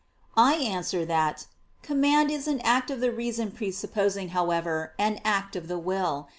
I answer that, Command is an act of the reason presupposing, however, an act of the will.